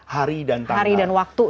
hari dan waktu